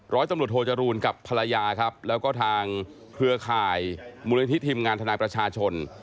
ร้อยตำรวจโทจรูลกับภรรยาและทางเครือคายมุเรนทิศทีมงานธนายประชาชน